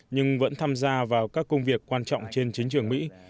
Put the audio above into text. nhưng vẫn tham gia vào các công việc quan trọng trên chiến trường mỹ